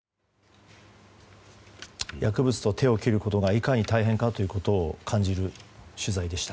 薬物を手を切ることがいかに大変かということを感じる取材でした。